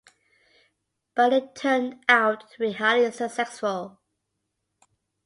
But it turned out to be highly successful.